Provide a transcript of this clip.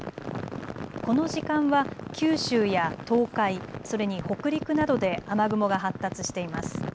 この時間は九州や東海それに北陸などで雨雲が発達しています。